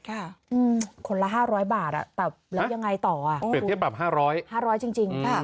ค่ะอืมคนละห้าร้อยบาทอ่ะแต่แล้วยังไงต่ออ่ะเปรียบเทียบปรับห้าร้อยห้าร้อยจริงจริงค่ะ